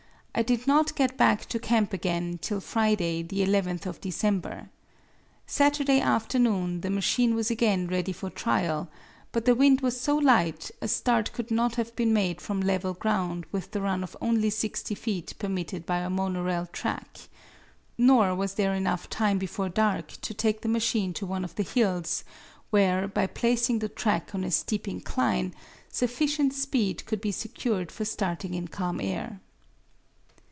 I did not get back to camp again till Friday, the 11th of December. Saturday afternoon the machine was again ready for trial, but the wind was so light a start could not have been made from level ground with the run of only sixty feet permitted by our monorail track. Nor was there enough time before dark to take the machine to one of the hills, where, by placing the track on a steep incline, sufficient speed could be secured for starting in calm air.